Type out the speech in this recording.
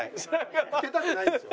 着けたくないんですよ。